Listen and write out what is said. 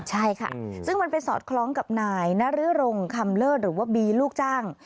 ใช่ค่ะซึ่งมันไปสอดคล้องกับนายนรงคำเลิศหรือว่าบีลูกจ้าง